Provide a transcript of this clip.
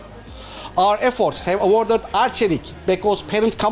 kami menilai keuntungan dari archelic perusahaan ibu bapa beko